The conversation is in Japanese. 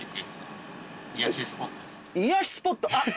癒やしスポットあっ！